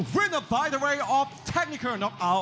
วินาทีของเทคนิคเกิร์นน็อคอัล